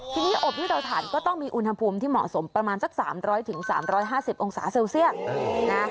ทีนี้อบที่เราถันก็ต้องมีอุณหภูมิที่เหมาะสมประมาณสัก๓๐๐๓๕๐องศาเซลเซียสนะ